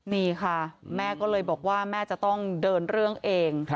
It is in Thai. นี่ค่ะแม่ก็เลยบอกว่าแม่จะต้องเดินเรื่องเอง